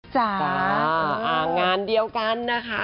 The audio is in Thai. งานเดียวกันนะคะ